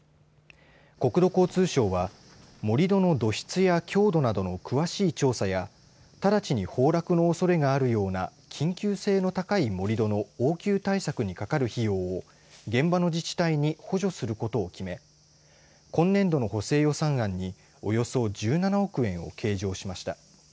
国土交通省は盛り土の土質や強度などの詳しい調査や直ちに崩落のおそれがあるような緊急性の高い盛り土の応急対策にかかる必要を現場の自治体に補助することを決め今年度の補正予算案におよそ１７億円を計上しました。